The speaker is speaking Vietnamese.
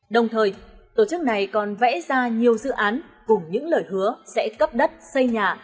đồng thời tổ chức này còn vẽ ra nhiều dự án cùng những lời hứa sẽ cấp đất xây nhà